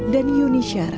dan yuni syara